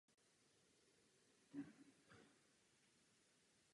V ní vydržel po dvě sezóny.